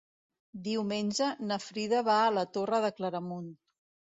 Diumenge na Frida va a la Torre de Claramunt.